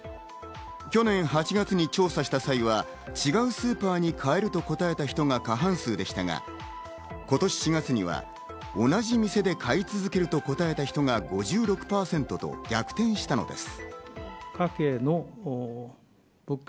去年８月に調査した際は、違うスーパーに替えると答えた人が過半数でしたが今年４月には同じ店で買い続けると答えた人が５６％と逆転したのです。